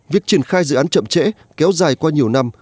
việc triển khai dự án chậm trễ kéo dài qua nhiều năm